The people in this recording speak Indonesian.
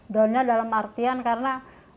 donnya dalam artian karena